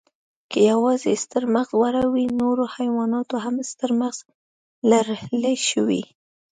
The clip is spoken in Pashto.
که یواځې ستر مغز غوره وی، نورو حیواناتو هم ستر مغز لرلی شوی.